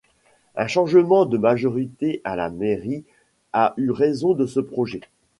Un changement de majorité à la mairie a eu raison de ce projet.